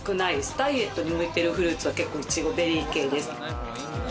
ダイエットに向いてるフルーツは結構いちご、ベリー系です。